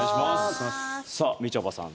さあ、みちょぱさん